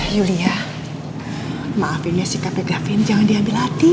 yulia maafin ya sikapnya gafin jangan diambil hati